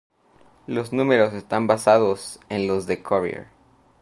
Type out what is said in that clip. Los números están basados en los de Courier.